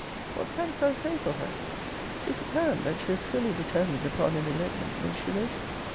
What canst thou say for her? 'Tis apparent, that she was fully determined upon an elopement when she wrote it.